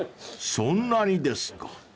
［そんなにですか］